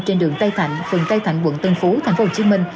trên đường tây thạnh phường tây thạnh quận tân phú tp hcm